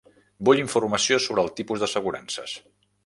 Vull informació sobre els tipus d'assegurances.